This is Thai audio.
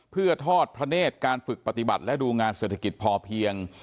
เพื่อทอดพระเนธการฝึกปฏิบัติและดูงานเศรษฐกิจพอเพียง